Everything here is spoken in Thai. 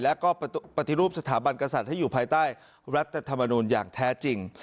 และก็ปฏิรูปสถาบันกษัตริย์ให้อยู่ภายใต้รัฐธรรมนูลอย่างแท้จริง